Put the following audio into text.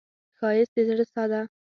ښایست د زړه ساه ده